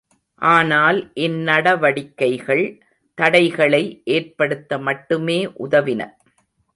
ஆனால் இந்நடவடிக்கைகள் தடைகளை ஏற்படுத்த மட்டுமே உதவின.